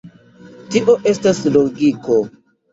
Tio estas logiko.